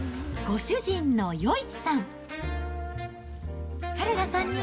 ご主人の余一さん。